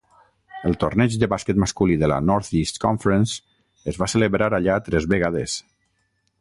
El torneig de bàsquet masculí de la Northeast Conference es va celebrar allà tres vegades.